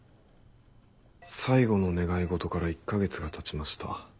「最後の願い事から１ヶ月が経ちました。